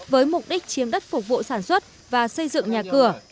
với mục đích chiếm đất phục vụ sản xuất và xây dựng nhà cửa